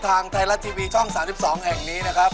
ทางไทยรัฐทีวีช่อง๓๒แห่งนี้นะครับ